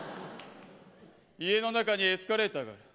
家の中にエスカレーターがある。